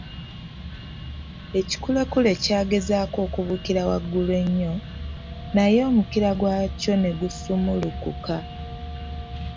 Ekikulekule kyagezaako okubuukira waggulu ennyo naye omukira gw'akyo ne gusumulukuka .